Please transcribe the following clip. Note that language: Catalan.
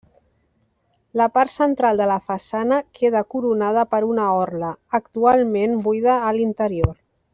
La part central de la façana queda coronada per una orla, actualment buida a l'interior.